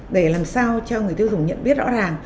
để làm sao cho người tiêu dùng nhận biết rõ ràng